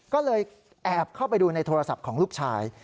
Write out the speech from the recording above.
ก็เลยแอบเข้าไปดูในโทรศัพท์ของลูกชาย